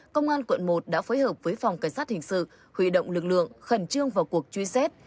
công an quận một đã phối hợp với phòng cảnh sát hình sự huy động lực lượng khẩn trương vào cuộc truy xét